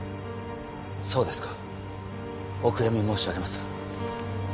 そうですかお悔やみ申し上げます